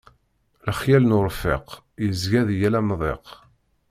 Lexyal n urfiq, yezga di yal amḍiq.